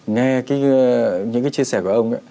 nghe những cái chia sẻ của ông